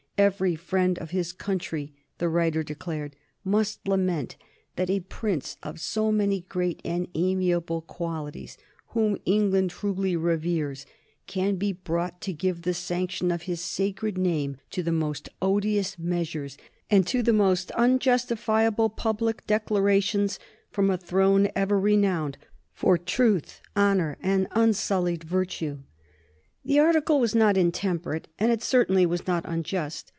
"Every friend of his country," the writer declared, "must lament that a prince of so many great and amiable qualities, whom England truly reveres, can be brought to give the sanction of his sacred name to the most odious measures and to the most unjustifiable public declarations from a throne ever renowned for truth, honor, and unsullied virtue." The article was not intemperate and it certainly was not unjust.